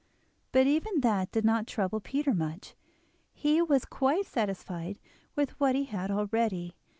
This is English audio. But even that did not trouble Peter much; he was quite satisfied with what he had already.